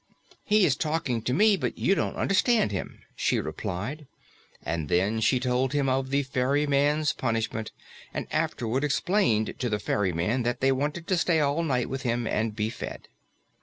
"He is talking to me, but you don't understand him," she replied. And then she told him of the ferryman's punishment and afterward explained to the ferryman that they wanted to stay all night with him and be fed.